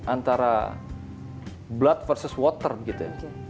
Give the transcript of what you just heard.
antara blood versus water gitu ya